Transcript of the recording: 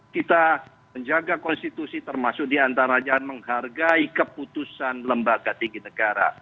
kita menjaga konstitusi termasuk diantaranya menghargai keputusan lembaga tinggi negara